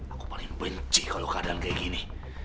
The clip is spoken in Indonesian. aku paling benci kalau keadaan kayak gini